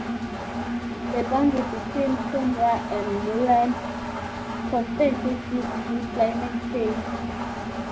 The boundary between tundra and moorland constantly shifts with climate change.